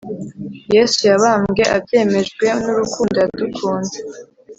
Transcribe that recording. Yesu yabambwe abyemejwe nurukundo yadukunze